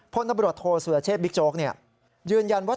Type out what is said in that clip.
พลตำรวจโทษสุรเชษบิ๊กโจ๊กยืนยันว่า